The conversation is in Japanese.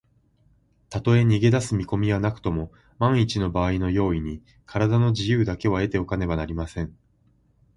たとえ逃げだす見こみはなくとも、まんいちのばあいの用意に、からだの自由だけは得ておかねばなりません。